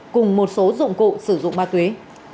cùng một số dụng cụ sử dụng ba tuyế